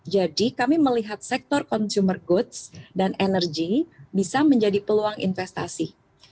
jadi kami melihat sektor consumer goods dan energi bisa menjadi peluang investasi